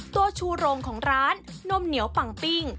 ตัวชูโรงของร้านนมเหนียวปังปิ้ง